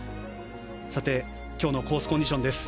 今日のコースコンディションです。